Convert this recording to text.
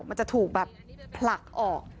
มันจะถูกแบบผลักออก